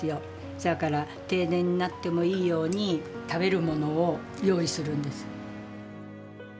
そやから停電になってもいいように食べるものを用意するんです。